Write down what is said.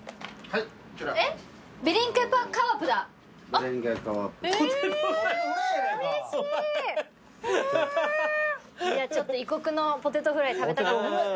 いやちょっと異国のポテトフライ食べたかったんですよ。